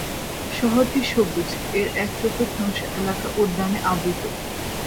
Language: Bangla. শহরটি সবুজ, এর এক চতুর্থাংশ এলাকা উদ্যানে আবৃত।